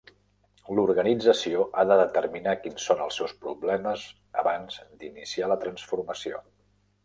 La organització ha de determinar quins són els seus problemes abans d'iniciar la transformació.